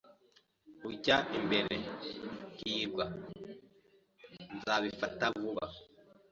Ujya imbere, hirwa. Nzabifata vuba.